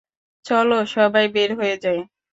চলো, সবাই বের হয়ে যাই!